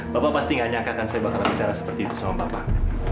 bapak pasti gak nyangkakan saya bakal bicara seperti itu sama bapak